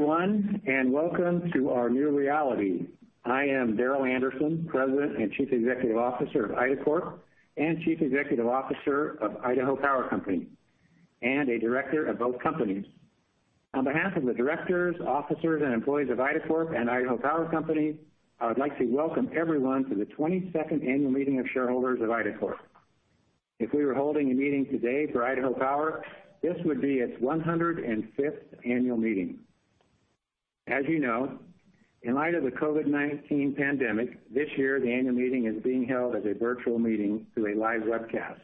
Everyone, welcome to our new reality. I am Darrel Anderson, President and Chief Executive Officer of IDACORP, and Chief Executive Officer of Idaho Power Company, and a director of both companies. On behalf of the directors, officers, and employees of IDACORP and Idaho Power Company, I would like to welcome everyone to the 22nd Annual Meeting of Shareholders of IDACORP. If we were holding a meeting today for Idaho Power, this would be its 105th annual meeting. As you know, in light of the COVID-19 pandemic, this year the annual meeting is being held as a virtual meeting through a live webcast,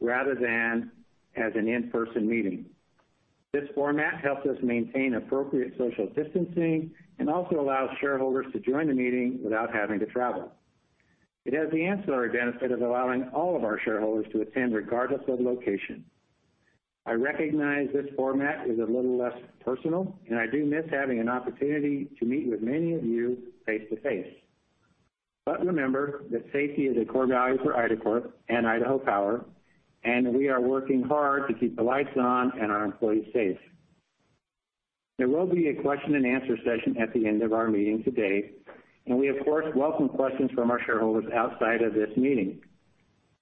rather than as an in-person meeting. This format helps us maintain appropriate social distancing and also allows shareholders to join the meeting without having to travel. It has the ancillary benefit of allowing all of our shareholders to attend regardless of location. I recognize this format is a little less personal, and I do miss having an opportunity to meet with many of you face-to-face. Remember that safety is a core value for IDACORP and Idaho Power, and we are working hard to keep the lights on and our employees safe. There will be a question-and-answer session at the end of our meeting today, and we, of course, welcome questions from our shareholders outside of this meeting.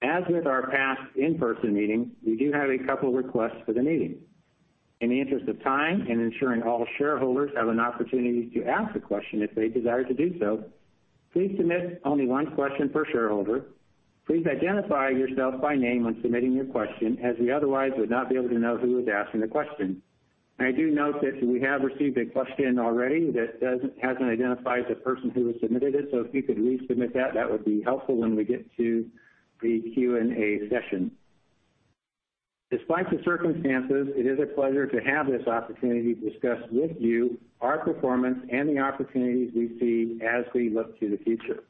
As with our past in-person meetings, we do have a couple requests for the meeting. In the interest of time and ensuring all shareholders have an opportunity to ask a question if they desire to do so, please submit only one question per shareholder. Please identify yourself by name when submitting your question, as we otherwise would not be able to know who is asking the question. I do note that we have received a question already that hasn't identified the person who has submitted it. If you could resubmit that would be helpful when we get to the Q&A session. Despite the circumstances, it is a pleasure to have this opportunity to discuss with you our performance and the opportunities we see as we look to the future.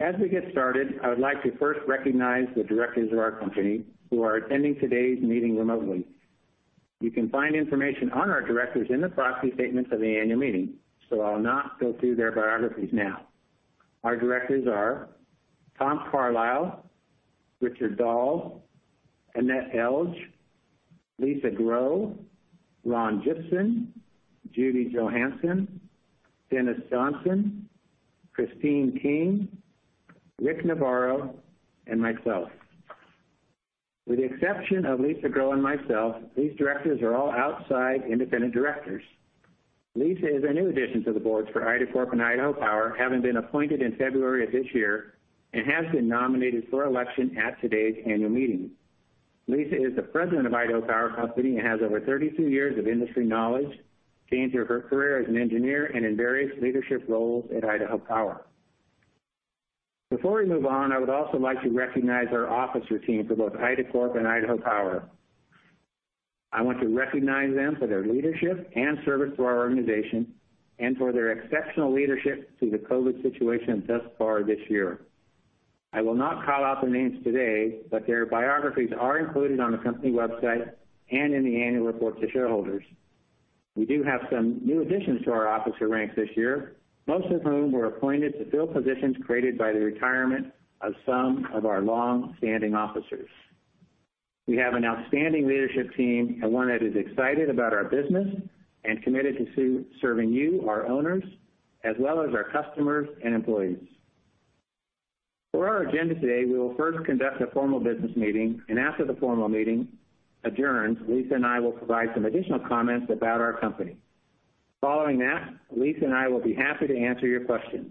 As we get started, I would like to first recognize the directors of our company who are attending today's meeting remotely. You can find information on our directors in the proxy statement for the annual meeting, so I'll not go through their biographies now. Our directors are Thomas Carlile, Richard Dahl, Annette Elg, Lisa Grow, Ronald Jibson, Judy Johansen, Dennis Johnson, Christine King, Rick Navarro, and myself. With the exception of Lisa Grow and myself, these directors are all outside independent directors. Lisa is a new addition to the boards for IDACORP and Idaho Power, having been appointed in February of this year, and has been nominated for election at today's annual meeting. Lisa is the president of Idaho Power Company and has over 32 years of industry knowledge gained through her career as an engineer and in various leadership roles at Idaho Power. Before we move on, I would also like to recognize our officer team for both IDACORP and Idaho Power. I want to recognize them for their leadership and service to our organization and for their exceptional leadership through the COVID-19 situation thus far this year. I will not call out the names today, but their biographies are included on the company website and in the annual report to shareholders. We do have some new additions to our officer ranks this year, most of whom were appointed to fill positions created by the retirement of some of our long-standing officers. We have an outstanding leadership team and one that is excited about our business and committed to serving you, our owners, as well as our customers and employees. For our agenda today, we will first conduct a formal business meeting, and after the formal meeting adjourns, Lisa and I will provide some additional comments about our company. Following that, Lisa and I will be happy to answer your questions.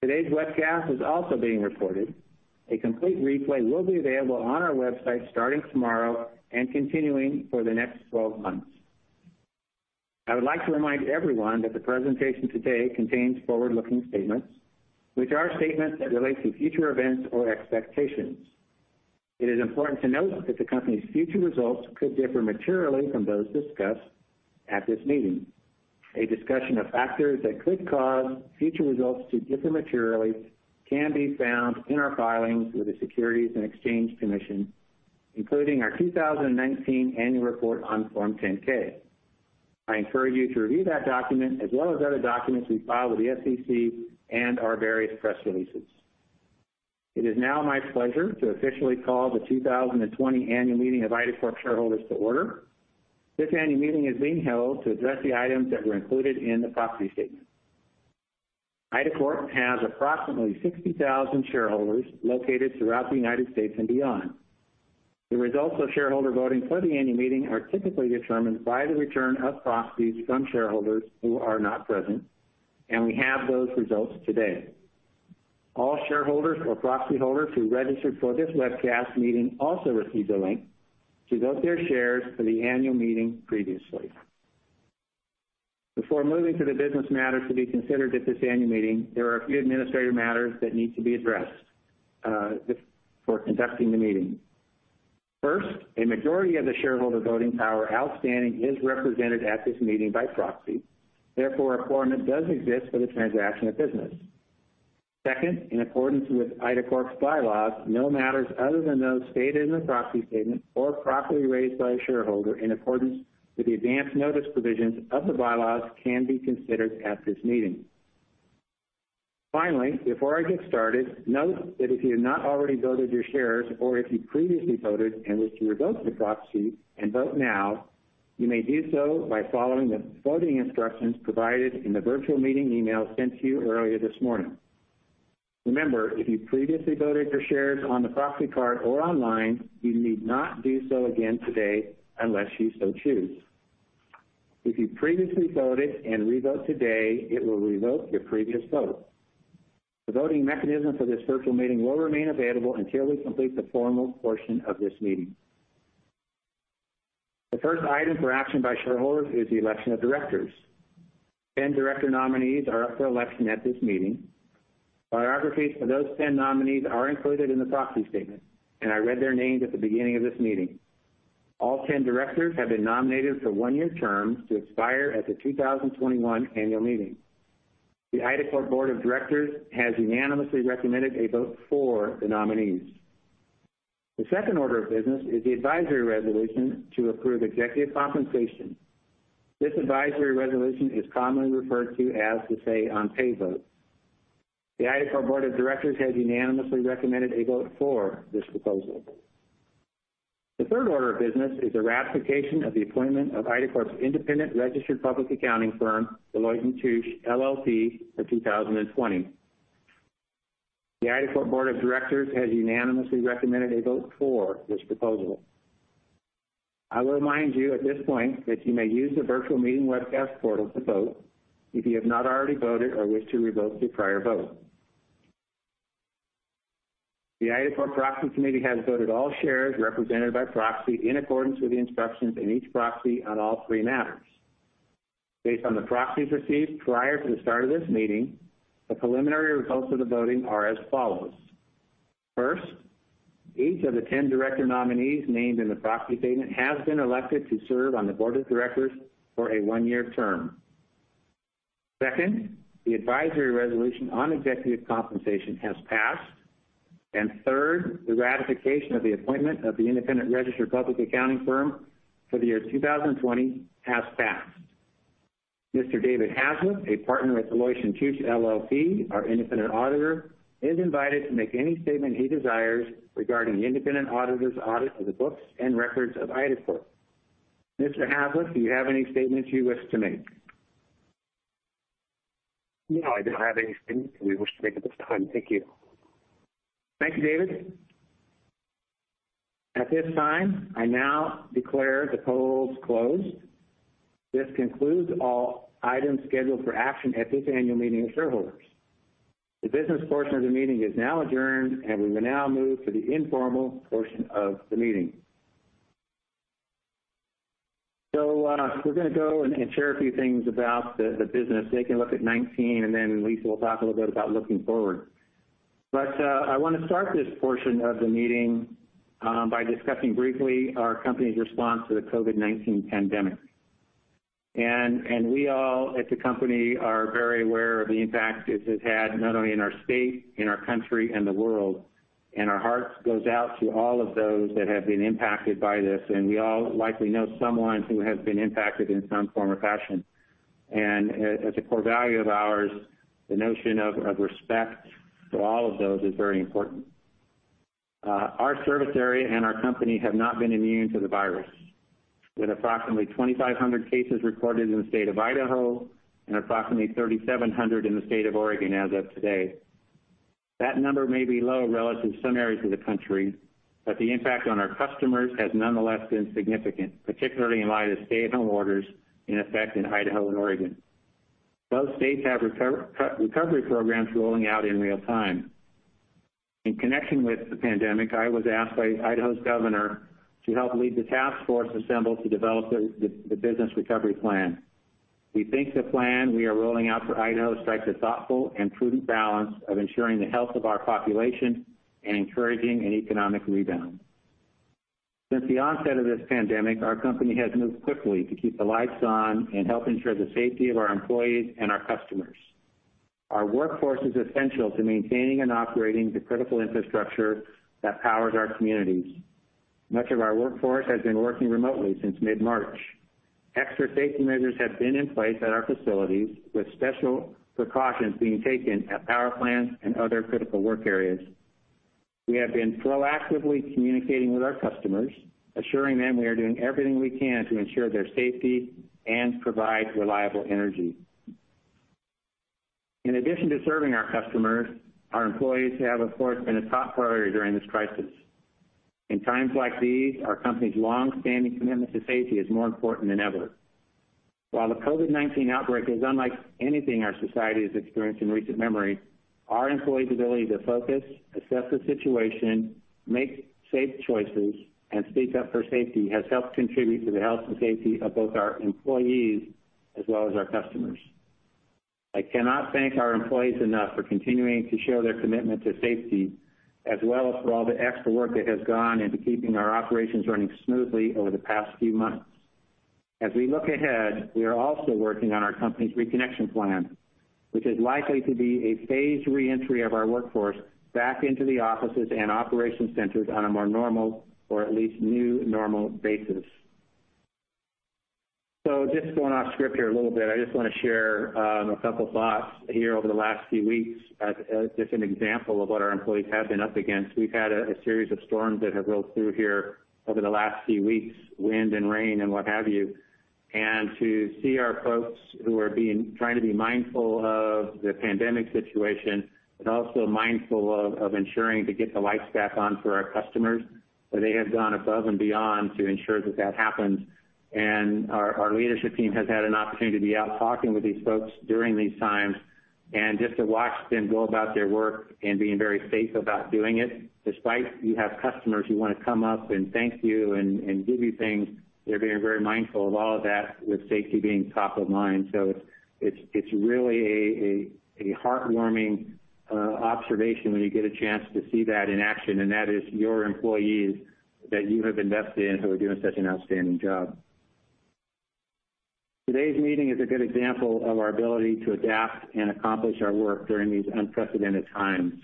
Today's webcast is also being recorded. A complete replay will be available on our website starting tomorrow and continuing for the next 12 months. I would like to remind everyone that the presentation today contains forward-looking statements, which are statements that relate to future events or expectations. It is important to note that the company's future results could differ materially from those discussed at this meeting. A discussion of factors that could cause future results to differ materially can be found in our filings with the Securities and Exchange Commission, including our 2019 Annual Report on Form 10-K. I encourage you to review that document as well as other documents we file with the SEC and our various press releases. It is now my pleasure to officially call the 2020 Annual Meeting of IDACORP Shareholders to order. This annual meeting is being held to address the items that were included in the proxy statement. IDACORP has approximately 60,000 shareholders located throughout the United States and beyond. The results of shareholder voting for the annual meeting are typically determined by the return of proxies from shareholders who are not present, and we have those results today. All shareholders or proxy holders who registered for this webcast meeting also received a link to vote their shares for the annual meeting previously. Before moving to the business matters to be considered at this annual meeting, there are a few administrative matters that need to be addressed for conducting the meeting. First, a majority of the shareholder voting power outstanding is represented at this meeting by proxy. Therefore, a quorum does exist for the transaction of business. Second, in accordance with IDACORP's bylaws, no matters other than those stated in the proxy statement or properly raised by a shareholder in accordance with the advance notice provisions of the bylaws can be considered at this meeting. Finally, before I get started, note that if you have not already voted your shares or if you previously voted and wish to revoke the proxy and vote now, you may do so by following the voting instructions provided in the virtual meeting email sent to you earlier this morning. Remember, if you previously voted your shares on the proxy card or online, you need not do so again today unless you so choose. If you previously voted and revote today, it will revoke your previous vote. The voting mechanism for this virtual meeting will remain available until we complete the formal portion of this meeting. The first item for action by shareholders is the election of directors. 10 director nominees are up for election at this meeting. Biographies for those 10 nominees are included in the proxy statement, and I read their names at the beginning of this meeting. All 10 directors have been nominated for one-year terms to expire at the 2021 annual meeting. The IDACORP board of directors has unanimously recommended a vote for the nominees. The second order of business is the advisory resolution to approve executive compensation. This advisory resolution is commonly referred to as the say on pay vote. The IDACORP board of directors has unanimously recommended a vote for this proposal. The third order of business is the ratification of the appointment of IDACORP's independent registered public accounting firm, Deloitte & Touche LLP, for 2020. The IDACORP board of directors has unanimously recommended a vote for this proposal. I will remind you at this point that you may use the virtual meeting webcast portal to vote if you have not already voted or wish to revoke your prior vote. The IDACORP Proxy Committee has voted all shares represented by proxy in accordance with the instructions in each proxy on all three matters. Based on the proxies received prior to the start of this meeting, the preliminary results of the voting are as follows. First, each of the 10 director nominees named in the proxy statement has been elected to serve on the board of directors for a one-year term. Second, the advisory resolution on executive compensation has passed, and third, the ratification of the appointment of the independent registered public accounting firm for the year 2020 has passed. Mr. David Haslip, a partner with Deloitte & Touche LLP, our independent auditor, is invited to make any statement he desires regarding the independent auditor's audit of the books and records of IDACORP. Mr. Haslip, do you have any statements you wish to make? No, I don't have anything we wish to make at this time. Thank you. Thank you, David. At this time, I now declare the polls closed. This concludes all items scheduled for action at this annual meeting of shareholders. The business portion of the meeting is now adjourned, and we will now move to the informal portion of the meeting. We're going to go and share a few things about the business. Take a look at 2019, and then Lisa will talk a little bit about looking forward. I want to start this portion of the meeting by discussing briefly our company's response to the COVID-19 pandemic. We all at the company are very aware of the impact this has had, not only in our state, in our country, and the world. Our hearts goes out to all of those that have been impacted by this. We all likely know someone who has been impacted in some form or fashion. As a core value of ours, the notion of respect to all of those is very important. Our service area and our company have not been immune to the virus. With approximately 2,500 cases reported in the state of Idaho and approximately 3,700 in the state of Oregon as of today. That number may be low relative to some areas of the country, but the impact on our customers has nonetheless been significant, particularly in light of stay-at-home orders in effect in Idaho and Oregon. Both states have recovery programs rolling out in real time. In connection with the pandemic, I was asked by Idaho's governor to help lead the task force assembled to develop the business recovery plan. We think the plan we are rolling out for Idaho strikes a thoughtful and prudent balance of ensuring the health of our population and encouraging an economic rebound. Since the onset of this pandemic, our company has moved quickly to keep the lights on and help ensure the safety of our employees and our customers. Our workforce is essential to maintaining and operating the critical infrastructure that powers our communities. Much of our workforce has been working remotely since mid-March. Extra safety measures have been in place at our facilities, with special precautions being taken at power plants and other critical work areas. We have been proactively communicating with our customers, assuring them we are doing everything we can to ensure their safety and provide reliable energy. In addition to serving our customers, our employees have, of course, been a top priority during this crisis. In times like these, our company's longstanding commitment to safety is more important than ever. While the COVID-19 outbreak is unlike anything our society has experienced in recent memory, our employees' ability to focus, assess the situation, make safe choices, and speak up for safety has helped contribute to the health and safety of both our employees as well as our customers. I cannot thank our employees enough for continuing to show their commitment to safety, as well as for all the extra work that has gone into keeping our operations running smoothly over the past few months. As we look ahead, we are also working on our company's reconnection plan, which is likely to be a phased reentry of our workforce back into the offices and operation centers on a more normal or at least new normal basis. Just going off script here a little bit, I just want to share a couple thoughts here over the last few weeks as just an example of what our employees have been up against. We've had a series of storms that have rolled through here over the last few weeks, wind and rain and what have you. To see our folks who are trying to be mindful of the pandemic situation, but also mindful of ensuring to get the lights back on for our customers, they have gone above and beyond to ensure that that happens. Our leadership team has had an opportunity to be out talking with these folks during these times and just to watch them go about their work and being very safe about doing it. Despite you have customers who want to come up and thank you and give you things, they're being very mindful of all of that with safety being top of mind. It's really a heartwarming observation when you get a chance to see that in action, and that is your employees that you have invested in who are doing such an outstanding job. Today's meeting is a good example of our ability to adapt and accomplish our work during these unprecedented times.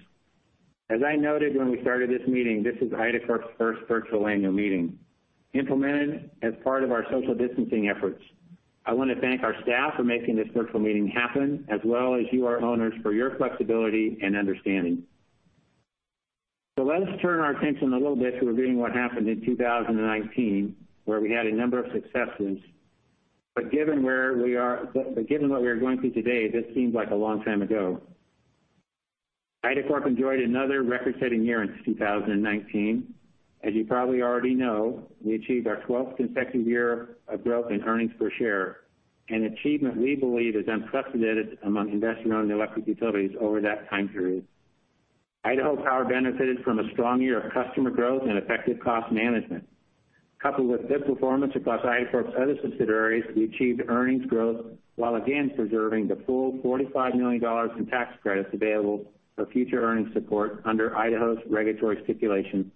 As I noted when we started this meeting, this is IDACORP's first virtual annual meeting, implemented as part of our social distancing efforts. I want to thank our staff for making this virtual meeting happen, as well as you, our owners, for your flexibility and understanding. Let us turn our attention a little bit to reviewing what happened in 2019, where we had a number of successes. Given what we are going through today, this seems like a long time ago. IDACORP enjoyed another record-setting year in 2019. As you probably already know, we achieved our 12th consecutive year of growth in earnings per share, an achievement we believe is unprecedented among investor-owned electric utilities over that time period. Idaho Power benefited from a strong year of customer growth and effective cost management. Coupled with good performance across IDACORP's other subsidiaries, we achieved earnings growth while again preserving the full $45 million in tax credits available for future earnings support under Idaho's regulatory stipulation,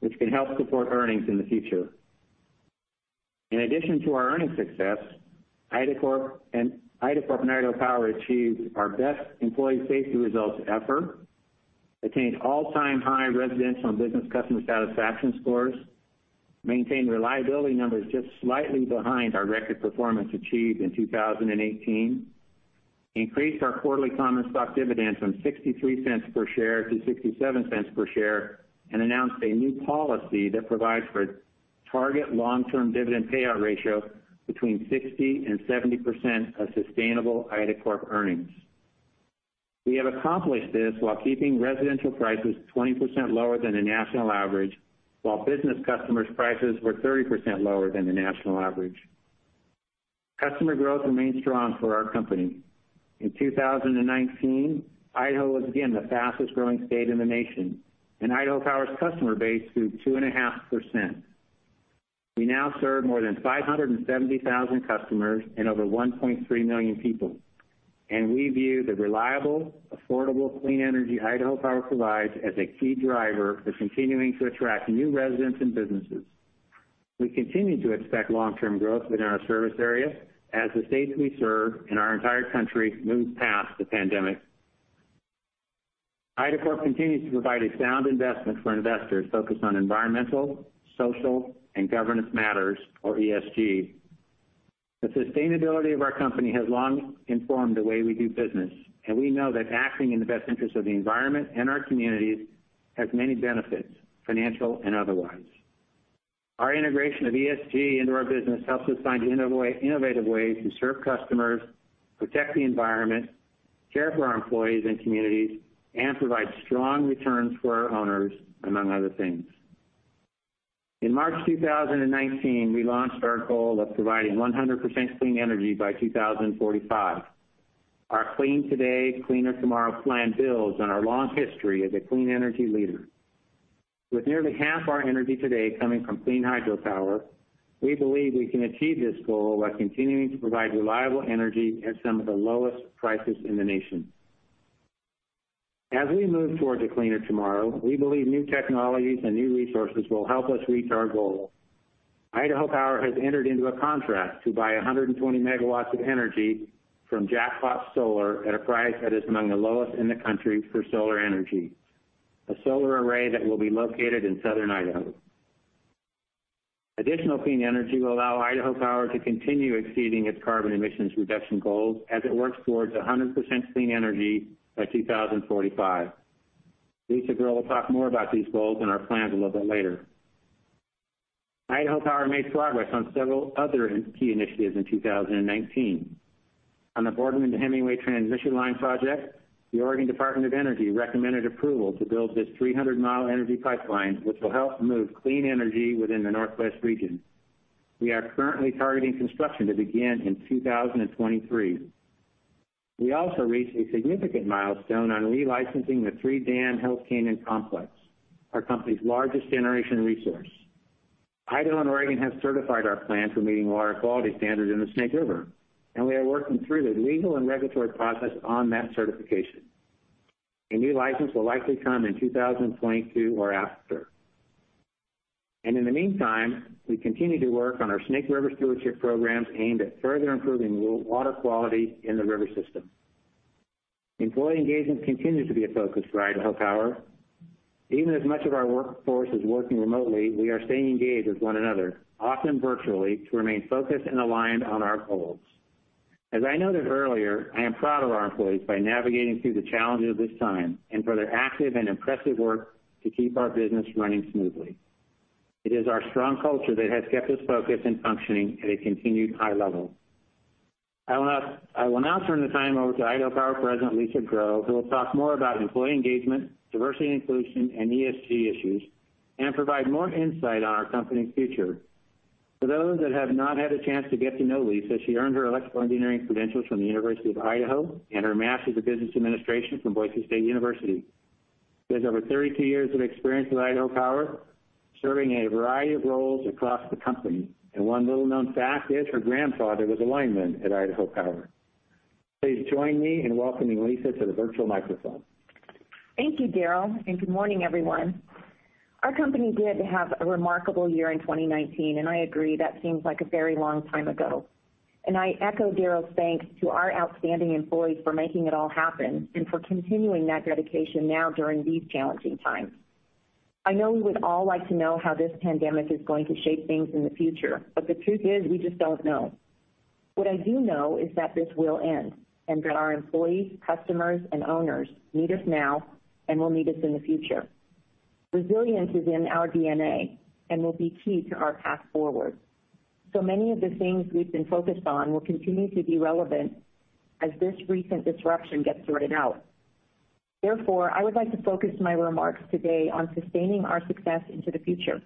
which can help support earnings in the future. In addition to our earnings success, IDACORP and Idaho Power achieved our best employee safety results ever, attained all-time high residential and business customer satisfaction scores, maintained reliability numbers just slightly behind our record performance achieved in 2018, increased our quarterly common stock dividends from $0.63 per share to $0.67 per share and announced a new policy that provides for a target long-term dividend payout ratio between 60% and 70% of sustainable IDACORP earnings. We have accomplished this while keeping residential prices 20% lower than the national average, while business customers' prices were 30% lower than the national average. Customer growth remains strong for our company. In 2019, Idaho was again the fastest-growing state in the nation, and Idaho Power's customer base grew 2.5%. We now serve more than 570,000 customers and over 1.3 million people. We view the reliable, affordable, clean energy Idaho Power provides as a key driver for continuing to attract new residents and businesses. We continue to expect long-term growth within our service area as the states we serve and our entire country moves past the pandemic. IDACORP continues to provide a sound investment for investors focused on environmental, social, and governance matters or ESG. The sustainability of our company has long informed the way we do business, and we know that acting in the best interest of the environment and our communities has many benefits, financial and otherwise. Our integration of ESG into our business helps us find innovative ways to serve customers, protect the environment, care for our employees and communities, and provide strong returns for our owners, among other things. In March 2019, we launched our goal of providing 100% clean energy by 2045. Our Clean Today. Cleaner Tomorrow. plan builds on our long history as a clean energy leader. With nearly half our energy today coming from clean hydropower, we believe we can achieve this goal while continuing to provide reliable energy at some of the lowest prices in the nation. As we move towards a cleaner tomorrow, we believe new technologies and new resources will help us reach our goal. Idaho Power has entered into a contract to buy 120 MW of energy from Jackpot Solar at a price that is among the lowest in the country for solar energy. A solar array that will be located in Southern Idaho. Additional clean energy will allow Idaho Power to continue exceeding its carbon emissions reduction goals as it works towards 100% clean energy by 2045. Lisa Grow will talk more about these goals and our plans a little bit later. Idaho Power made progress on several other key initiatives in 2019. On the Boardman to Hemingway transmission line project, the Oregon Department of Energy recommended approval to build this 300 mi energy pipeline, which will help move clean energy within the Northwest region. We are currently targeting construction to begin in 2023. We also reached a significant milestone on re-licensing the three-dam Hells Canyon Complex, our company's largest generation resource. Idaho and Oregon have certified our plan for meeting water quality standards in the Snake River. We are working through the legal and regulatory process on that certification. A new license will likely come in 2022 or after. In the meantime, we continue to work on our Snake River stewardship programs aimed at further improving water quality in the river system. Employee engagement continues to be a focus for Idaho Power. Even as much of our workforce is working remotely, we are staying engaged with one another, often virtually, to remain focused and aligned on our goals. As I noted earlier, I am proud of our employees by navigating through the challenges of this time and for their active and impressive work to keep our business running smoothly. It is our strong culture that has kept us focused and functioning at a continued high level. I will now turn the time over to Idaho Power President, Lisa Grow, who will talk more about employee engagement, diversity and inclusion, and ESG issues, and provide more insight on our company's future. For those that have not had a chance to get to know Lisa, she earned her electrical engineering credentials from the University of Idaho and her Master's of Business Administration from Boise State University. She has over 32 years of experience with Idaho Power, serving in a variety of roles across the company. One little-known fact is her grandfather was a lineman at Idaho Power. Please join me in welcoming Lisa to the virtual microphone. Thank you, Darrel, and good morning, everyone. Our company did have a remarkable year in 2019, and I agree, that seems like a very long time ago. I echo Darrel's thanks to our outstanding employees for making it all happen and for continuing that dedication now during these challenging times. I know we would all like to know how this pandemic is going to shape things in the future, but the truth is we just don't know. What I do know is that this will end, and that our employees, customers, and owners need us now and will need us in the future. Resilience is in our DNA and will be key to our path forward. Many of the things we've been focused on will continue to be relevant as this recent disruption gets sorted out. Therefore, I would like to focus my remarks today on sustaining our success into the future.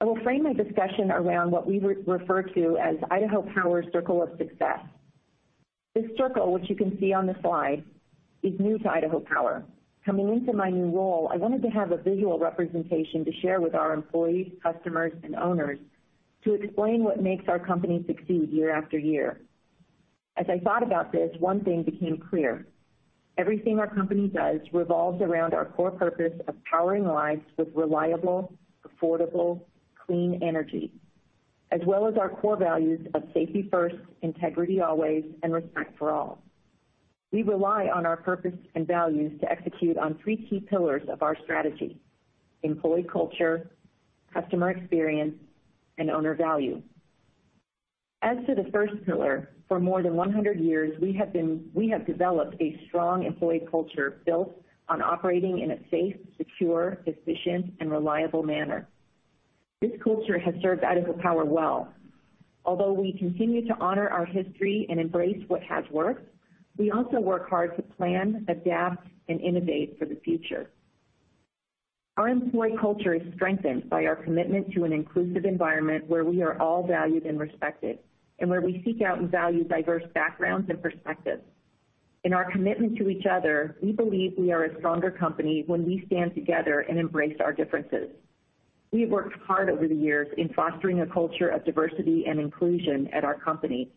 I will frame my discussion around what we refer to as Idaho Power's Circle of Success. This circle, which you can see on the slide, is new to Idaho Power. Coming into my new role, I wanted to have a visual representation to share with our employees, customers, and owners to explain what makes our company succeed year after year. As I thought about this, one thing became clear. Everything our company does revolves around our core purpose of powering lives with reliable, affordable, clean energy, as well as our core values of safety first, integrity always, and respect for all. We rely on our purpose and values to execute on three key pillars of our strategy, employee culture, customer experience, and owner value. As to the first pillar, for more than 100 years, we have developed a strong employee culture built on operating in a safe, secure, efficient, and reliable manner. This culture has served Idaho Power well. Although we continue to honor our history and embrace what has worked, we also work hard to plan, adapt, and innovate for the future. Our employee culture is strengthened by our commitment to an inclusive environment where we are all valued and respected, and where we seek out and value diverse backgrounds and perspectives. In our commitment to each other, we believe we are a stronger company when we stand together and embrace our differences. We have worked hard over the years in fostering a culture of diversity and inclusion at our company.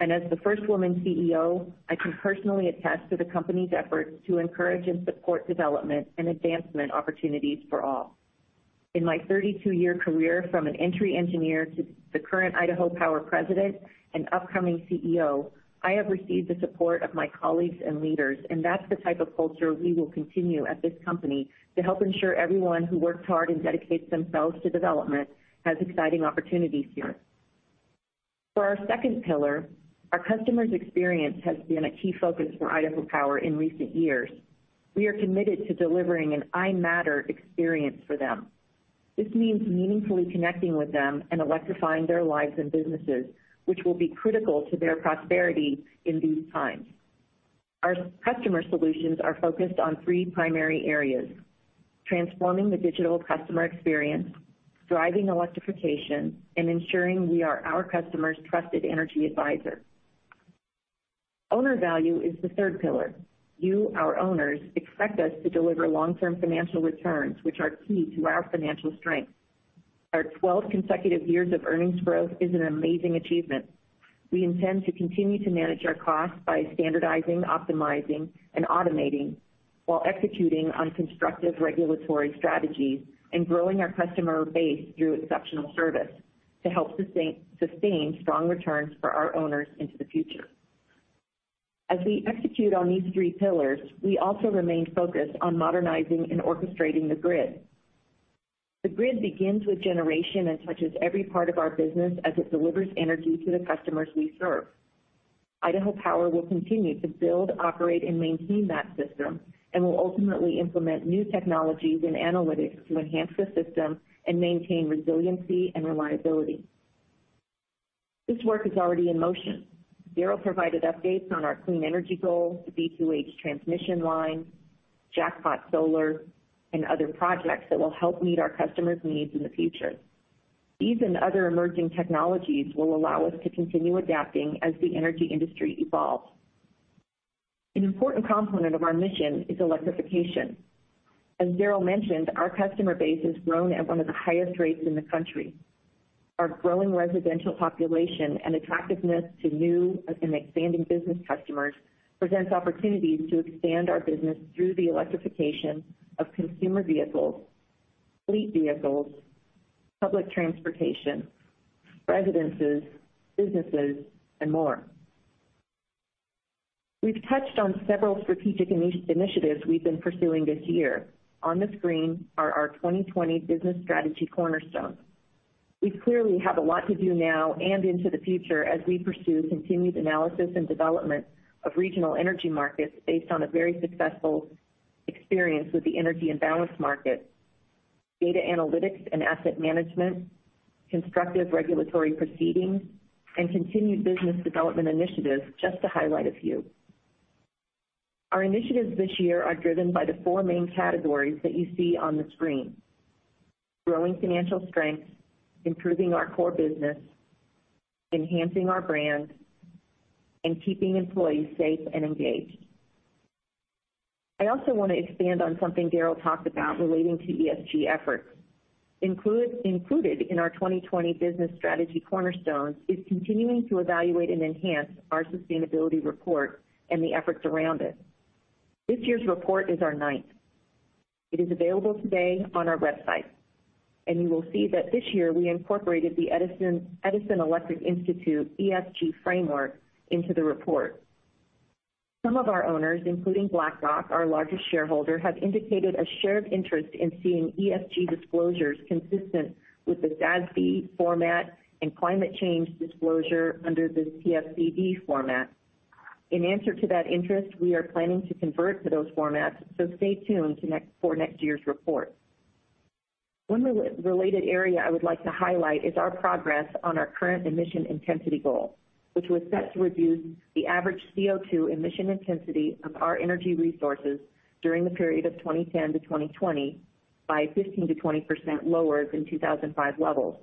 As the first woman CEO, I can personally attest to the company's efforts to encourage and support development and advancement opportunities for all. In my 32-year career from an entry engineer to the current Idaho Power President and upcoming CEO, I have received the support of my colleagues and leaders, that's the type of culture we will continue at this company to help ensure everyone who works hard and dedicates themselves to development has exciting opportunities here. For our second pillar, our customer's experience has been a key focus for Idaho Power in recent years. We are committed to delivering an I Matter experience for them. This means meaningfully connecting with them and electrifying their lives and businesses, which will be critical to their prosperity in these times. Our customer solutions are focused on three primary areas. Transforming the digital customer experience, driving electrification, and ensuring we are our customers' trusted energy advisor. Owner value is the third pillar. You, our owners, expect us to deliver long-term financial returns, which are key to our financial strength. Our 12 consecutive years of earnings growth is an amazing achievement. We intend to continue to manage our costs by standardizing, optimizing, and automating while executing on constructive regulatory strategies and growing our customer base through exceptional service to help sustain strong returns for our owners into the future. As we execute on these three pillars, we also remain focused on modernizing and orchestrating the grid. The grid begins with generation and touches every part of our business as it delivers energy to the customers we serve. Idaho Power will continue to build, operate, and maintain that system and will ultimately implement new technologies and analytics to enhance the system and maintain resiliency and reliability. This work is already in motion. Darrel provided updates on our clean energy goals, the B2H transmission line, Jackpot Solar, and other projects that will help meet our customers needs in the future. These and other emerging technologies will allow us to continue adapting as the energy industry evolves. An important component of our mission is electrification. As Darrel mentioned, our customer base has grown at one of the highest rates in the country. Our growing residential population and attractiveness to new and expanding business customers presents opportunities to expand our business through the electrification of consumer vehicles, fleet vehicles, Public transportation, residences, businesses, and more. We've touched on several strategic initiatives we've been pursuing this year. On the screen are our 2020 business strategy cornerstones. We clearly have a lot to do now and into the future as we pursue continued analysis and development of regional energy markets based on a very successful experience with the Energy Imbalance Market, data analytics and asset management, constructive regulatory proceedings, and continued business development initiatives, just to highlight a few. Our initiatives this year are driven by the four main categories that you see on the screen. Growing financial strength, improving our core business, enhancing our brand, and keeping employees safe and engaged. I also want to expand on something Darrel talked about relating to ESG efforts. Included in our 2020 business strategy cornerstone is continuing to evaluate and enhance our sustainability report and the efforts around it. This year's report is our ninth. It is available today on our website, and you will see that this year we incorporated the Edison Electric Institute ESG framework into the report. Some of our owners, including BlackRock, our largest shareholder, have indicated a shared interest in seeing ESG disclosures consistent with the SASB format and climate change disclosure under the TCFD format. In answer to that interest, we are planning to convert to those formats, so stay tuned for next year's report. One related area I would like to highlight is our progress on our current emission intensity goal, which was set to reduce the average CO2 emission intensity of our energy resources during the period of 2010-2020 by 15%-20% lower than 2005 levels.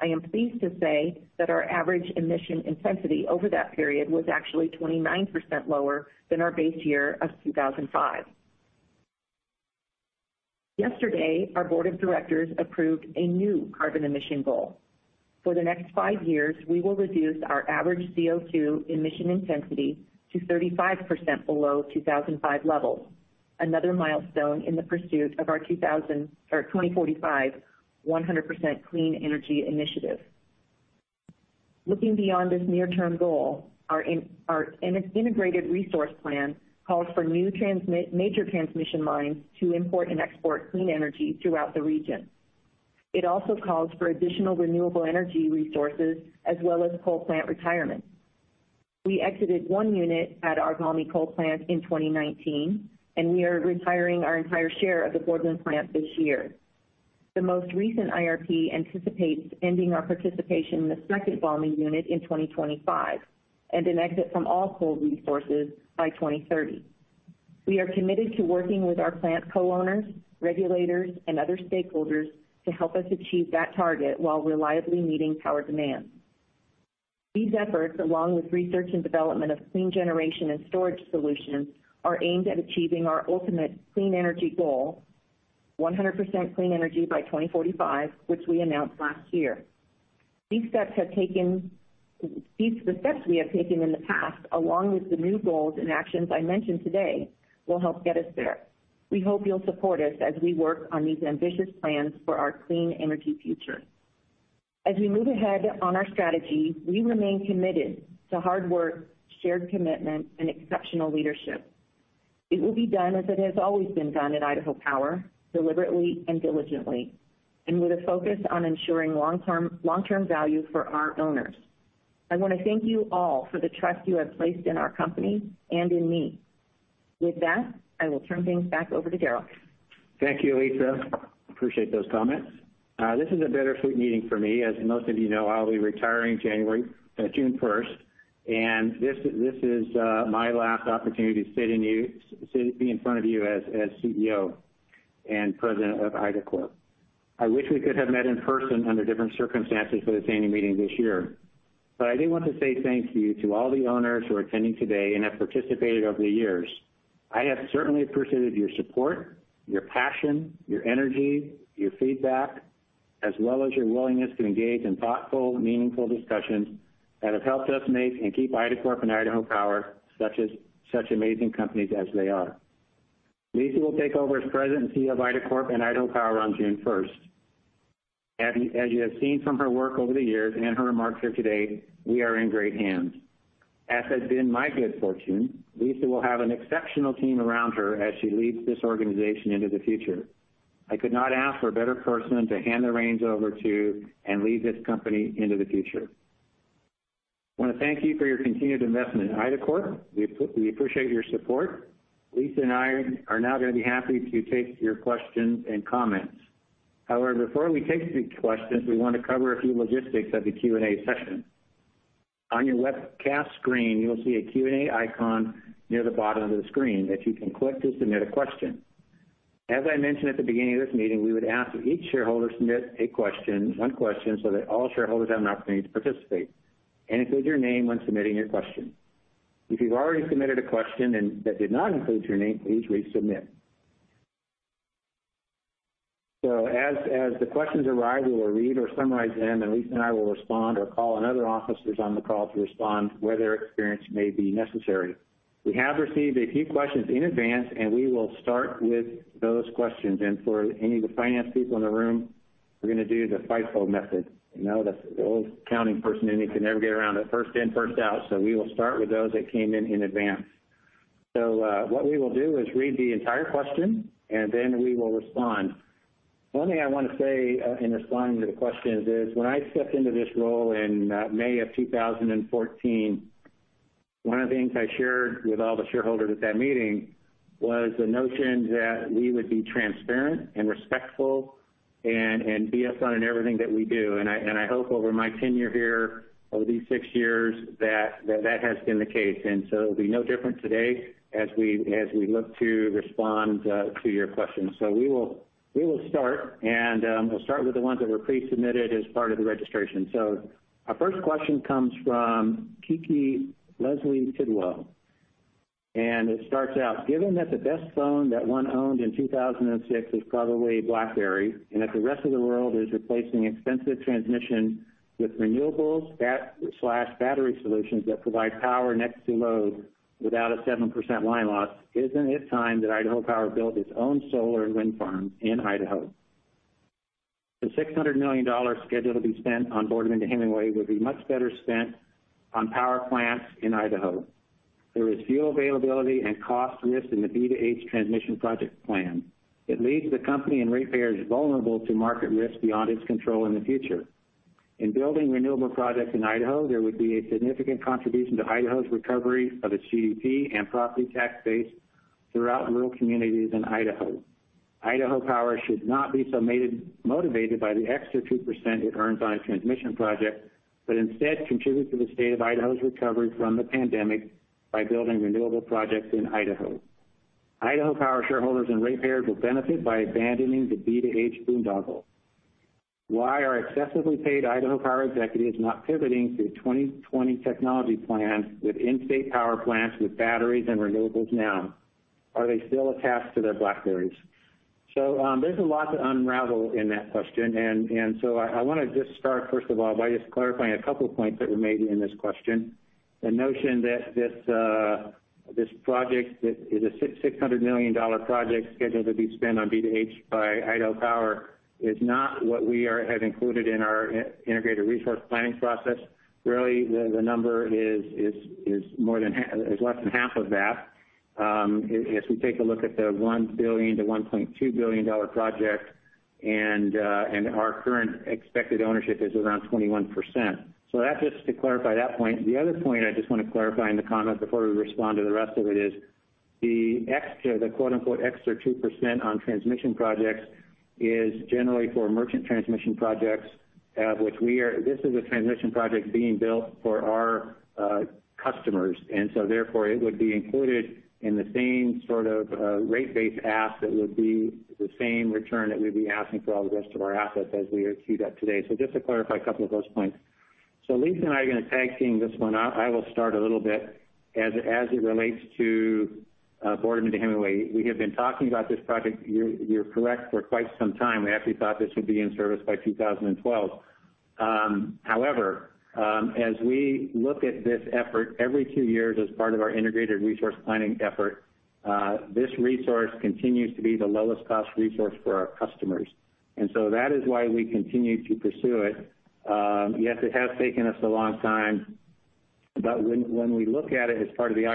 I am pleased to say that our average emission intensity over that period was actually 29% lower than our base year of 2005. Yesterday, our board of directors approved a new carbon emission goal. For the next five years, we will reduce our average CO2 emission intensity to 35% below 2005 levels. Another milestone in the pursuit of our 2045 100% clean energy initiative. Looking beyond this near-term goal, our Integrated Resource Plan calls for new major transmission lines to import and export clean energy throughout the region. It also calls for additional renewable energy resources as well as coal plant retirement. We exited one unit at our Valmy coal plant in 2019, and we are retiring our entire share of the Boardman plant this year. The most recent IRP anticipates ending our participation in the second Valmy unit in 2025, and an exit from all coal resources by 2030. We are committed to working with our plant co-owners, regulators, and other stakeholders to help us achieve that target while reliably meeting power demand. These efforts, along with research and development of clean generation and storage solutions, are aimed at achieving our ultimate clean energy goal, 100% Clean Energy by 2045, which we announced last year. The steps we have taken in the past, along with the new goals and actions I mentioned today, will help get us there. We hope you'll support us as we work on these ambitious plans for our clean energy future. As we move ahead on our strategy, we remain committed to hard work, shared commitment, and exceptional leadership. It will be done as it has always been done at Idaho Power, deliberately and diligently, and with a focus on ensuring long-term value for our owners. I want to thank you all for the trust you have placed in our company and in me. With that, I will turn things back over to Darrel. Thank you, Lisa. Appreciate those comments. This is a bittersweet meeting for me. As most of you know, I'll be retiring June 1st. This is my last opportunity to be in front of you as CEO and President of IDACORP. I wish we could have met in person under different circumstances for this annual meeting this year. I did want to say thank you to all the owners who are attending today and have participated over the years. I have certainly appreciated your support, your passion, your energy, your feedback, as well as your willingness to engage in thoughtful, meaningful discussions that have helped us make and keep IDACORP and Idaho Power such amazing companies as they are. Lisa will take over as presidency of IDACORP and Idaho Power on June 1st. As you have seen from her work over the years and her remarks here today, we are in great hands. As has been my good fortune, Lisa will have an exceptional team around her as she leads this organization into the future. I could not ask for a better person to hand the reins over to and lead this company into the future. I want to thank you for your continued investment in IDACORP. We appreciate your support. Lisa and I are now going to be happy to take your questions and comments. However, before we take these questions, we want to cover a few logistics of the Q&A session. On your webcast screen, you'll see a Q&A icon near the bottom of the screen that you can click to submit a question. As I mentioned at the beginning of this meeting, we would ask that each shareholder submit one question so that all shareholders have an opportunity to participate. Include your name when submitting your question. If you've already submitted a question that did not include your name, please resubmit. As the questions arrive, we will read or summarize them, and Lisa and I will respond or call on other officers on the call to respond where their experience may be necessary. We have received a few questions in advance, and we will start with those questions. For any of the finance people in the room, we're going to do the FIFO method. You know the old accounting person in you can never get around it, first in, first out. We will start with those that came in advance. What we will do is read the entire question and then we will respond. One thing I want to say in responding to the questions is, when I stepped into this role in May of 2014, one of the things I shared with all the shareholders at that meeting was the notion that we would be transparent and respectful and be upfront in everything that we do. I hope over my tenure here, over these six years, that has been the case. It'll be no different today as we look to respond to your questions. We will start, and we'll start with the ones that were pre-submitted as part of the registration. Our first question comes from Kiki Leslie Tidwell, and it starts out: Given that the best phone that one owned in 2006 was probably a BlackBerry, and that the rest of the world is replacing expensive transmission with renewables/battery solutions that provide power next to load without a 7% line loss, isn't it time that Idaho Power built its own solar and wind farms in Idaho? The $600 million scheduled to be spent on Boardman to Hemingway would be much better spent on power plants in Idaho. There is fuel availability and cost risk in the B to H transmission project plan. It leaves the company and ratepayers vulnerable to market risk beyond its control in the future. In building renewable projects in Idaho, there would be a significant contribution to Idaho's recovery of its GDP and property tax base throughout rural communities in Idaho. Idaho Power should not be so motivated by the extra 2% it earns on a transmission project, but instead contribute to the state of Idaho's recovery from the pandemic by building renewable projects in Idaho. Idaho Power shareholders and ratepayers will benefit by abandoning the B to H boondoggle. Why are excessively paid Idaho Power executives not pivoting to 2020 technology plans with in-state power plants with batteries and renewables now? Are they still attached to their BlackBerrys? There's a lot to unravel in that question. I want to just start, first of all, by just clarifying a couple of points that were made in this question. The notion that this project is a $600 million project scheduled to be spent on B to H by Idaho Power is not what we have included in our integrated resource planning process. The number is less than half of that, if we take a look at the $1 billion-$1.2 billion project, and our current expected ownership is around 21%. That's just to clarify that point. The other point I just want to clarify in the comment before we respond to the rest of it is the extra, the quote-unquote, extra 2% on transmission projects is generally for merchant transmission projects. This is a transmission project being built for our customers. Therefore, it would be included in the same sort of rate base ask that would be the same return that we'd be asking for all the rest of our assets as we execute at today. Just to clarify a couple of those points. Lisa and I are going to tag-team this one. I will start a little bit as it relates to Boardman to Hemingway. We have been talking about this project, you're correct, for quite some time. We actually thought this would be in service by 2012. As we look at this effort every two years as part of our integrated resource planning effort, this resource continues to be the lowest cost resource for our customers. That is why we continue to pursue it. Yes, it has taken us a long time, but when we look at it as part of the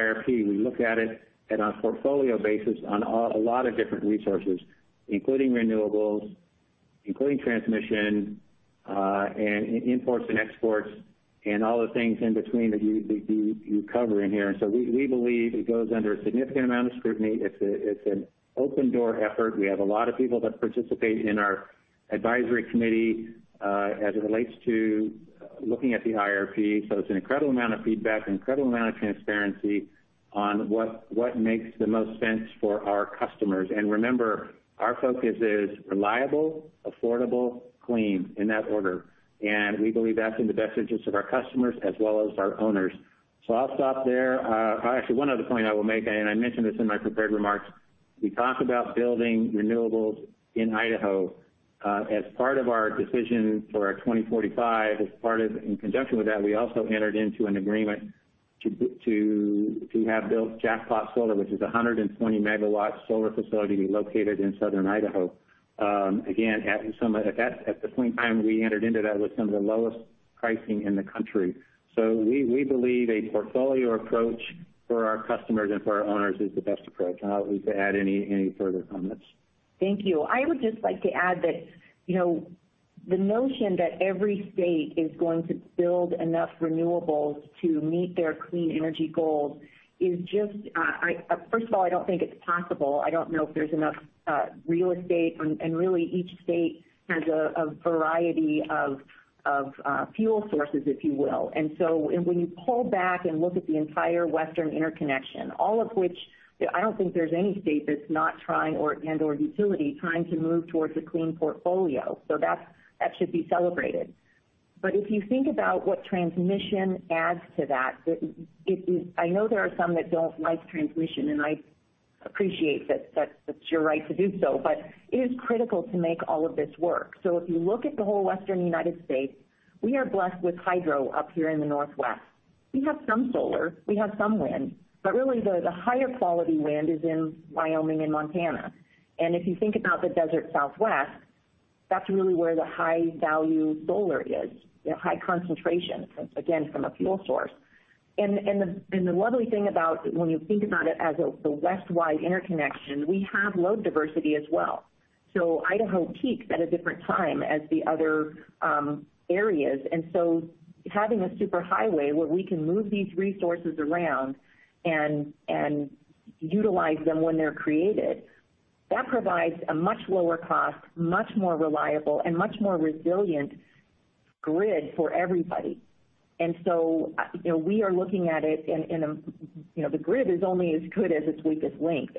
IRP, we look at it at our portfolio basis on a lot of different resources, including renewables, including transmission, and imports and exports and all the things in between that you cover in here. We believe it goes under a significant amount of scrutiny. It's an open door effort. We have a lot of people that participate in our advisory committee, as it relates to looking at the IRP. It's an incredible amount of feedback, an incredible amount of transparency on what makes the most sense for our customers. Remember, our focus is reliable, affordable, clean, in that order. We believe that's in the best interest of our customers as well as our owners. I'll stop there. Actually, one other point I will make, and I mentioned this in my prepared remarks. We talk about building renewables in Idaho. As part of our decision for our 2045, in conjunction with that, we also entered into an agreement to have built Jackpot Solar, which is 120 MW solar facility located in Southern Idaho. Again, at the point in time we entered into that, it was some of the lowest pricing in the country. We believe a portfolio approach for our customers and for our owners is the best approach. I'll let Lisa add any further comments. Thank you. I would just like to add that the notion that every state is going to build enough renewables to meet their clean energy goals is just First of all, I don't think it's possible. I don't know if there's enough real estate, and really each state has a variety of fuel sources, if you will. When you pull back and look at the entire Western Interconnection, all of which, I don't think there's any state that's not trying, and/or utility, trying to move towards a clean portfolio. That should be celebrated. If you think about what transmission adds to that, I know there are some that don't like transmission, and I appreciate that. That's your right to do so, but it is critical to make all of this work. If you look at the whole Western U.S., we are blessed with hydro up here in the Northwest. We have some solar, we have some wind, but really the higher quality wind is in Wyoming and Montana. If you think about the desert Southwest, that's really where the high-value solar is, high concentration, again, from a fuel source. The lovely thing about when you think about it as the Western Interconnection, we have load diversity as well. Idaho peaks at a different time as the other areas, and so having a super highway where we can move these resources around and utilize them when they're created, that provides a much lower cost, much more reliable, and much more resilient grid for everybody. We are looking at it, and the grid is only as good as its weakest link.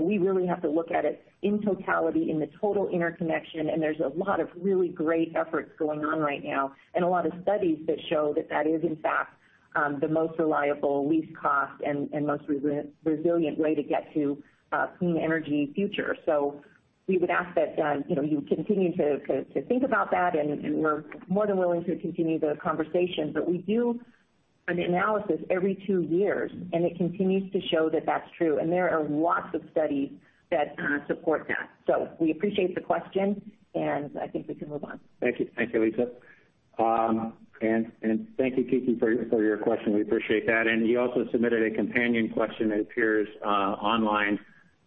We really have to look at it in totality, in the total interconnection. There's a lot of really great efforts going on right now and a lot of studies that show that that is, in fact, the most reliable, least cost, and most resilient way to get to a clean energy future. We would ask that you continue to think about that, and we're more than willing to continue the conversation. We do an analysis every two years, and it continues to show that that's true. There are lots of studies that support that. We appreciate the question, and I think we can move on. Thank you, Lisa. Thank you, Kiki, for your question. We appreciate that. You also submitted a companion question, it appears, online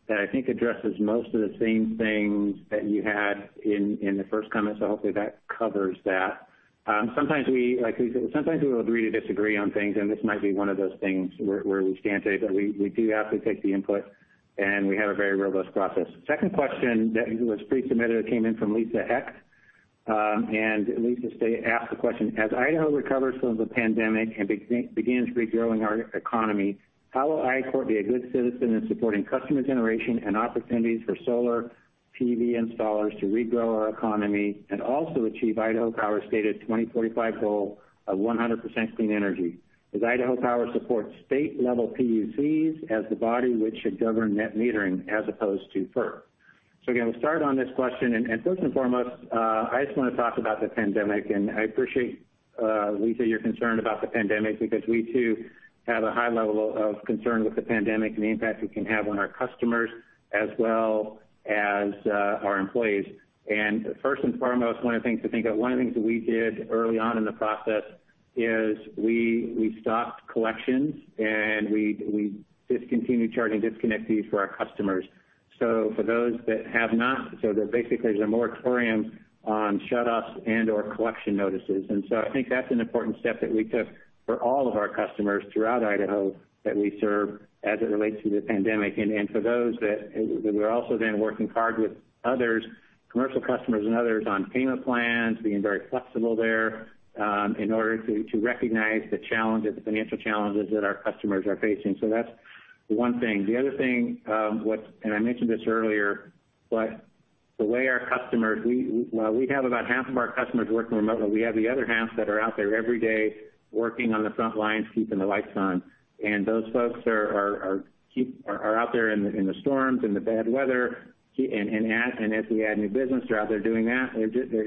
that I think addresses most of the same things that you had in the first comment. Hopefully, that covers that. Sometimes we will agree to disagree on things, and this might be one of those things where we can't today, but we do absolutely take the input, and we have a very robust process. Second question that was pre-submitted came in from Lisa Heck. Lisa asked the question, "As Idaho recovers from the pandemic and begins regrowing our economy, how will IDACORP be a good citizen in supporting customer generation and opportunities for solar PV installers to regrow our economy and also achieve Idaho Power's stated 2045 goal of 100% clean energy? Does Idaho Power support state-level PUCs as the body which should govern net metering as opposed to FERC? Again, we'll start on this question. First and foremost, I just want to talk about the pandemic. I appreciate, Lisa, your concern about the pandemic because we too have a high level of concern with the pandemic and the impact it can have on our customers as well as our employees. First and foremost, one of the things that we did early on in the process is we stopped collections, and we discontinued charge and disconnect fees for our customers. There's a moratorium on shutoffs and/or collection notices. I think that's an important step that we took for all of our customers throughout Idaho that we serve as it relates to the pandemic. For those that we're also then working hard with others, commercial customers and others, on payment plans, being very flexible there in order to recognize the financial challenges that our customers are facing. That's one thing. The other thing, I mentioned this earlier. We have about half of our customers working remotely. We have the other half that are out there every day working on the front lines, keeping the lights on. Those folks are out there in the storms, in the bad weather. As we add new business, they're out there doing that.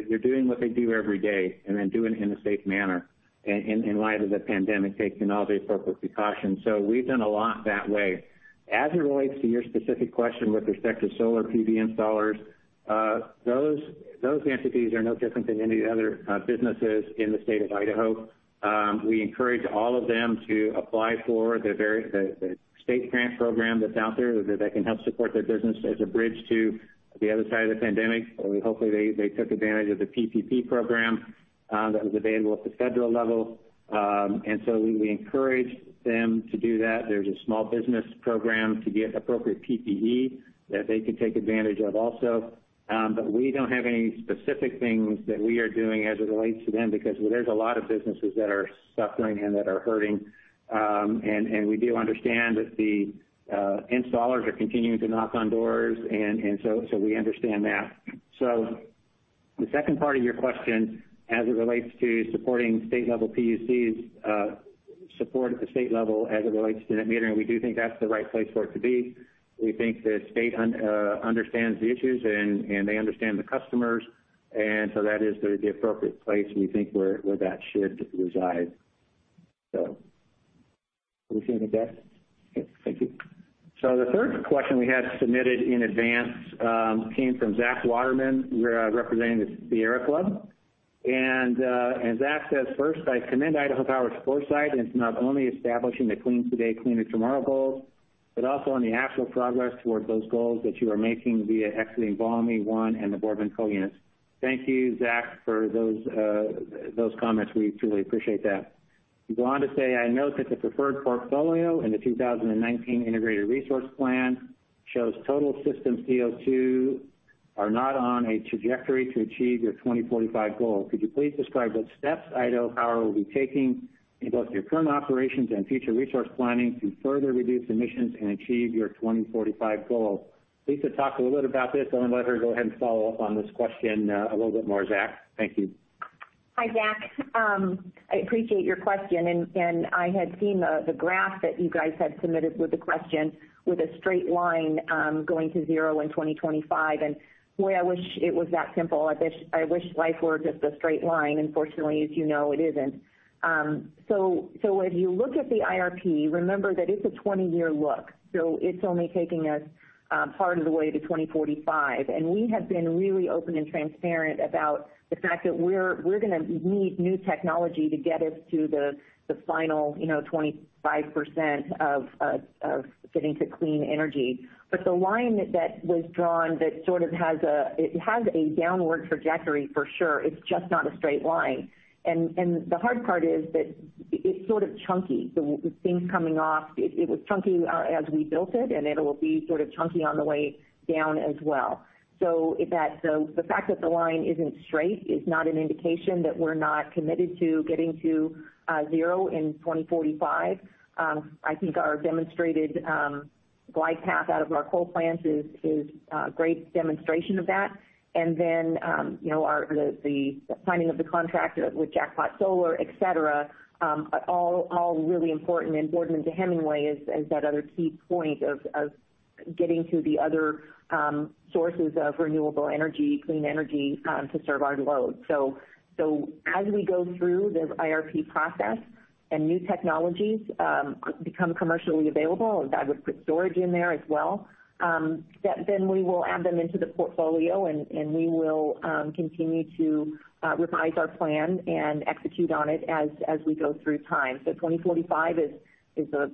They're doing what they do every day, and they're doing it in a safe manner in light of the pandemic, taking all the appropriate precautions. We've done a lot that way. As it relates to your specific question with respect to solar PV installers, those entities are no different than any other businesses in the state of Idaho. We encourage all of them to apply for the state grant program that's out there that can help support their business as a bridge to the other side of the pandemic. Hopefully, they took advantage of the PPP program that was available at the federal level. We encourage them to do that. There's a small business program to get appropriate PPE that they can take advantage of also. We don't have any specific things that we are doing as it relates to them because there's a lot of businesses that are suffering and that are hurting. We do understand that the installers are continuing to knock on doors, and so we understand that. The second part of your question as it relates to supporting state-level PUCs, support at the state level as it relates to net metering, we do think that's the right place for it to be. We think the state understands the issues, and they understand the customers. That is the appropriate place, we think, where that should reside. Are we seeing the next? Okay. Thank you. The third question we had submitted in advance came from Zach Waterman, representing the Sierra Club. Zach says, "First, I commend Idaho Power's foresight in not only establishing the Clean Today/Cleaner Tomorrow goals but also on the actual progress towards those goals that you are making via exiting Valmy One and the Boardman coal units." Thank you, Zach, for those comments. We truly appreciate that. You go on to say, "I note that the preferred portfolio in the 2019 Integrated Resource Plan shows total system CO2 are not on a trajectory to achieve your 2045 goal. Could you please describe what steps Idaho Power will be taking in both your current operations and future resource planning to further reduce emissions and achieve your 2045 goal?" Lisa talked a little bit about this. I'm going to let her go ahead and follow up on this question a little bit more, Zach. Thank you. Hi, Zach. I appreciate your question. I had seen the graph that you guys had submitted with the question, with a straight line going to zero in 2025. Boy, I wish it was that simple. I wish life were just a straight line. Unfortunately, as you know, it isn't. As you look at the IRP, remember that it's a 20-year look. It's only taking us part of the way to 2045. We have been really open and transparent about the fact that we're going to need new technology to get us to the final 25% of getting to clean energy. The line that was drawn, it has a downward trajectory for sure. It's just not a straight line. The hard part is that it's sort of chunky, with things coming off. It was chunky as we built it, and it'll be sort of chunky on the way down as well. The fact that the line isn't straight is not an indication that we're not committed to getting to zero in 2045. I think our demonstrated glide path out of our coal plants is a great demonstration of that. Then, the planning of the contract with Jackpot Solar, et cetera, are all really important. Boardman to Hemingway is that other key point of getting to the other sources of renewable energy, clean energy, to serve our load. As we go through this IRP process and new technologies become commercially available, and I would put storage in there as well, then we will add them into the portfolio, and we will continue to revise our plan and execute on it as we go through time. 2045 is a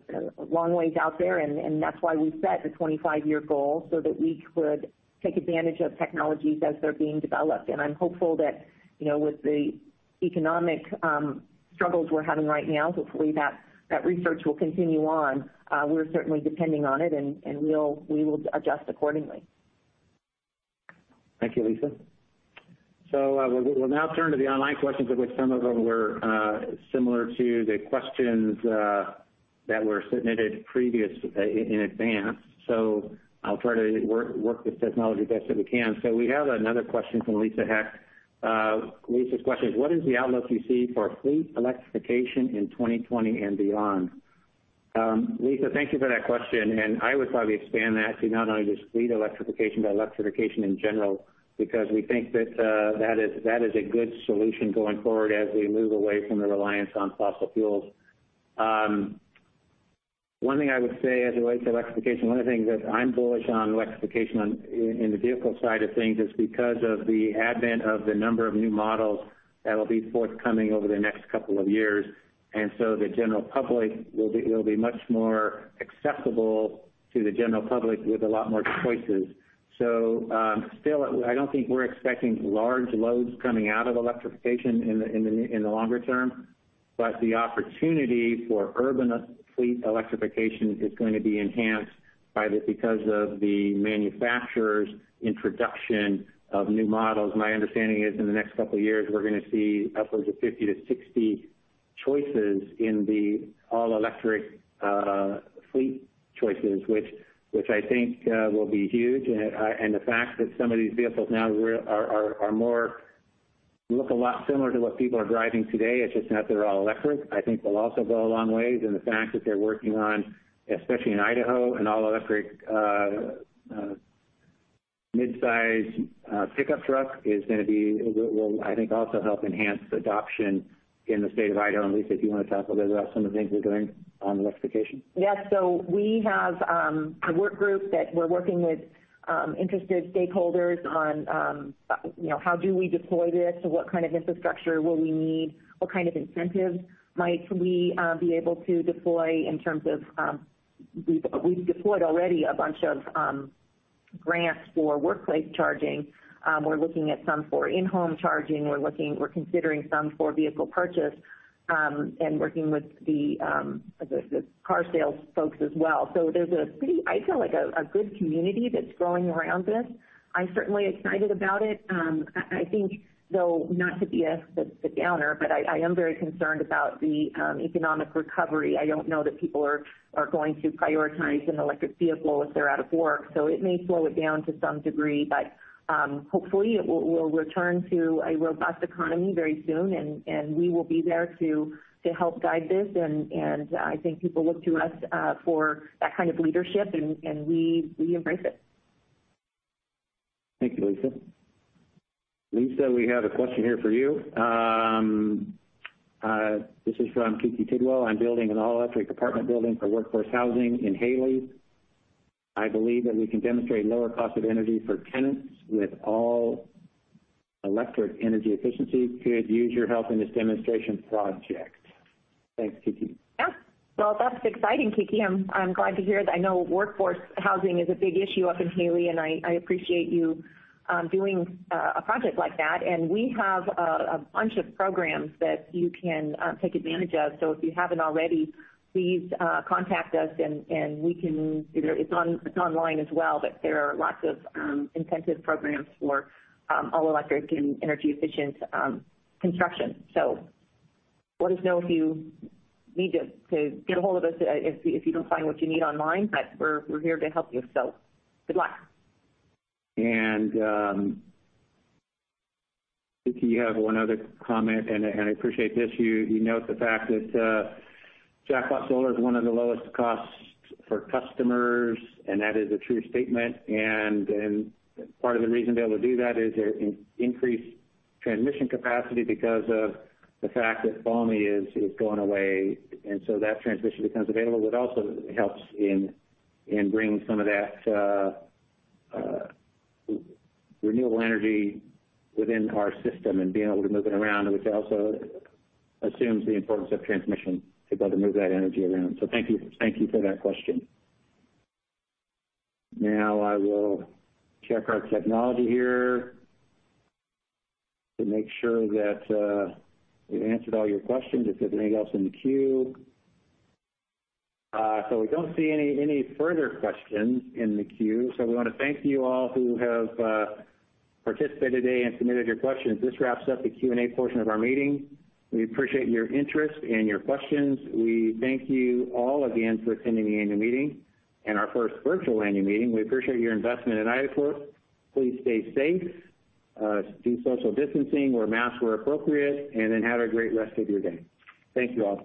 long way out there, and that's why we set the 25-year goal so that we could take advantage of technologies as they're being developed. I'm hopeful that with the economic struggles we're having right now, hopefully that research will continue on. We're certainly depending on it, and we will adjust accordingly. Thank you, Lisa. We'll now turn to the online questions, of which some of them were similar to the questions that were submitted previous in advance. I'll try to work this technology the best that we can. We have another question from Lisa Heck. Lisa's question is, "What is the outlook you see for fleet electrification in 2020 and beyond?" Lisa, thank you for that question. I would probably expand that to not only just fleet electrification, but electrification in general, because we think that is a good solution going forward as we move away from the reliance on fossil fuels. One thing I would say as it relates to electrification, one of the things is I'm bullish on electrification in the vehicle side of things is because of the advent of the number of new models that'll be forthcoming over the next couple of years. It'll be much more acceptable to the general public with a lot more choices. Still, I don't think we're expecting large loads coming out of electrification in the longer term, but the opportunity for urban fleet electrification is going to be enhanced because of the manufacturers' introduction of new models. My understanding is in the next couple of years, we're going to see upwards of 50-60 choices in the all-electric fleet choices, which I think will be huge. The fact that some of these vehicles now look a lot similar to what people are driving today, it's just that they're all electric, I think will also go a long way. The fact that they're working on, especially in Idaho, an all-electric mid-size pickup truck will, I think, also help enhance adoption in the state of Idaho. Lisa, if you want to talk a little about some of the things we're doing on electrification. Yes. We have a work group that we're working with interested stakeholders on how do we deploy this? What kind of infrastructure will we need? What kind of incentives might we be able to deploy in terms of, we've deployed already a bunch of grants for workplace charging. We're looking at some for in-home charging. We're considering some for vehicle purchase, and working with the car sales folks as well. There's a pretty, I feel like a good community that's growing around this. I'm certainly excited about it. I think, though, not to be as the downer, but I am very concerned about the economic recovery. I don't know that people are going to prioritize an electric vehicle if they're out of work. It may slow it down to some degree, but hopefully it will return to a robust economy very soon, and we will be there to help guide this. I think people look to us for that kind of leadership, and we embrace it. Thank you, Lisa. Lisa, we have a question here for you. This is from Kiki Tidwell. "I'm building an all-electric apartment building for workforce housing in Hailey. I believe that we can demonstrate lower cost of energy for tenants with all-electric energy efficiency. Could use your help in this demonstration project." Thanks, Kiki. Yeah. Well, that's exciting, Kiki. I'm glad to hear that. I know workforce housing is a big issue up in Hailey, and I appreciate you doing a project like that. We have a bunch of programs that you can take advantage of. If you haven't already, please contact us, it's online as well, but there are lots of incentive programs for all-electric and energy-efficient construction. Let us know if you need to get ahold of us if you don't find what you need online, but we're here to help you. Good luck. Kiki, you have one other comment, and I appreciate this. You note the fact that Jackpot Solar is one of the lowest costs for customers, and that is a true statement. Part of the reason they're able to do that is their increased transmission capacity because of the fact that Boardman is going away. That transmission becomes available, which also helps in bringing some of that renewable energy within our system and being able to move it around, which also assumes the importance of transmission to be able to move that energy around. Thank you for that question. Now I will check our technology here to make sure that we've answered all your questions, if there's anything else in the queue. We don't see any further questions in the queue. We want to thank you all who have participated today and submitted your questions. This wraps up the Q&A portion of our meeting. We appreciate your interest and your questions. We thank you all again for attending the annual meeting, and our first virtual annual meeting. We appreciate your investment in IDACORP. Please stay safe. Do social distancing, wear masks where appropriate, and then have a great rest of your day. Thank you all.